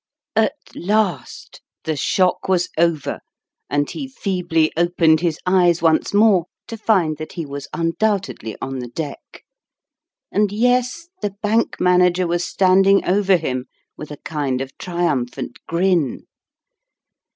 AT last ! The shock was over ; and he feebly opened his eyes once more, to find that he was undoubtedly on the deck ; and, yes, the Bank Manager was standing over him with a kind of triumphant grin